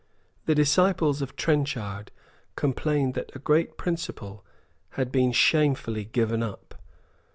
The disciples of Trenchard complained that a great principle had been shamefully given up.